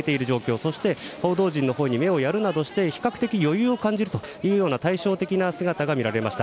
そして、報道陣のほうに目をやるなどして比較的余裕を感じるという対照的な姿が見られました。